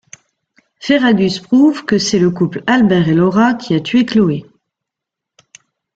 Ferragus prouve que c'est le couple Albert et Laura qui a tué Chloé.